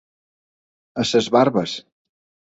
A les barbes.